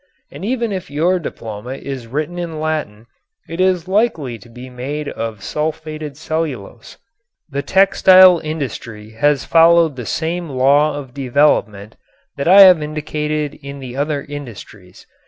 And even if your diploma is written in Latin it is likely to be made of sulfated cellulose. The textile industry has followed the same law of development that I have indicated in the other industries.